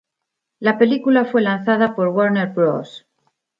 La película fue lanzada por Warner Bros.